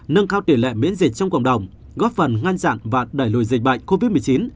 nâng cao tỷ lệ miễn dịch trong cộng đồng góp phần ngăn chặn và đẩy lùi dịch bệnh covid một mươi chín